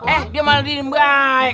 eh dia malah dirimbaik